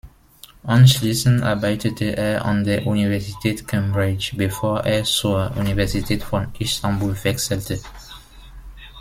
Anschließend arbeitete er an der Universität Cambridge bevor er zur Universität von Istanbul wechselte.